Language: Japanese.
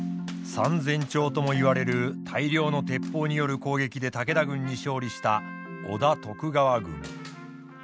３，０００丁ともいわれる大量の鉄砲による攻撃で武田軍に勝利した織田・徳川軍。